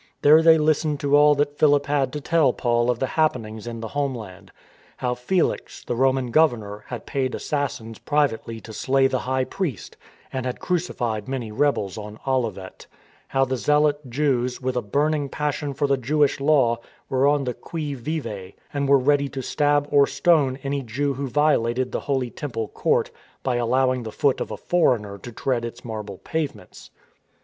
There they listened to all that Philip had to tell Paul of the happenings in the homeland; how Felix, the Roman governor, had paid assassins pri vately to slay the high priest, and had crucified many rebels on Olivet; how the Zealot Jews, with a burning "ONE WHO MARCHED" 285 passion for the Jewish law were on the qui vive, and were ready to stab or stone any Jew who violated the holy Temple court by allowing the foot of a foreigner to tread its marble pavements.